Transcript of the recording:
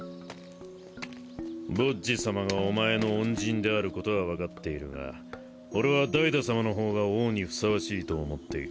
ボッジ様がお前の恩人であることは分かっているが俺はダイダ様の方が王にふさわしいと思っている